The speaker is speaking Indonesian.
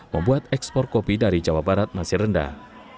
membuat ekspor kopi dari jawa barat masih rendah